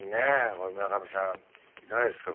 これ村上さんいかがですか？